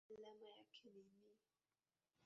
Alama yake ni Ni.